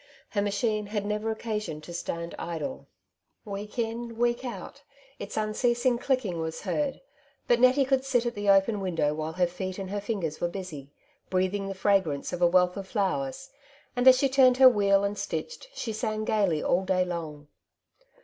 Her machine had never occasion to stand idle. '^ Week in, week out," its unceasing clicking 1 10 " Two Sides to every Question," was heard, but Nettie could sit at the open window while her feet and her fingers were busy, breathing the fragrance of a wealth of flowers; and as she turned her wheel and stitched, she sang gaily all day long.